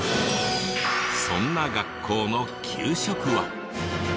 そんな学校の給食は。